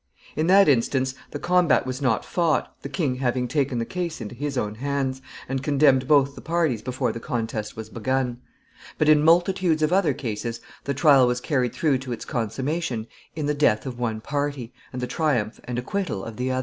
In that instance the combat was not fought, the king having taken the case into his own hands, and condemned both the parties before the contest was begun. But in multitudes of other cases the trial was carried through to its consummation in the death of one party, and the triumph and acquittal of the other.